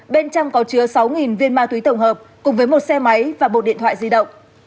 bên trong có chứa sáu viên ma túy tổng hợp cùng với một xe máy và một điện thoại di động